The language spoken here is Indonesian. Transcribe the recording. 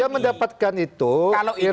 dia mendapatkan itu viral itu